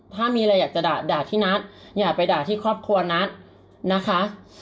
ถ้ามีอะไรอยากจะด่าที่นัทอย่าไปด่าที่ครอบครัวนัทนะคะ